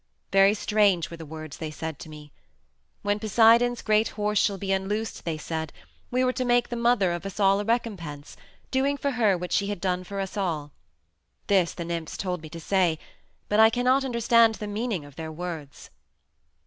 Very strange were the words they said to me. When Poseidon's great horse shall be unloosed, they said, we were to make the mother of us all a recompense, doing for her what she had done for us all. This the nymphs told me to say, but I cannot understand the meaning of their words."